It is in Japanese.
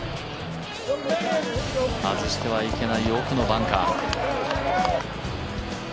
外してはいけない奥のバンカー。